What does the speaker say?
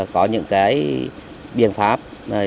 có những cái biện pháp